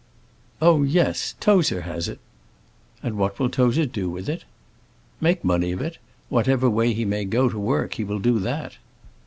Oh, yes Tozer has it." "And what will Tozer do with it?" "Make money of it; whatever way he may go to work he will do that."